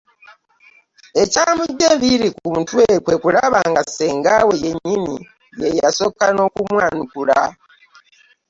Ekyamuggya enviiri ku mutwe kwe kulaba nga Ssengaawe yennyini ye yasooka n'okumwanukula.